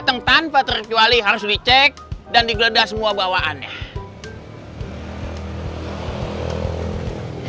kecuali harus dicek dan digledah semua bawaannya